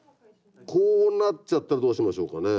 こうなっちゃったらどうしましょうかねぇ。